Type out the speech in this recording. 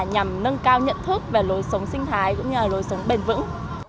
nhằm nâng cao nhận thức về lối sống sinh thái cũng như lối sống bền vững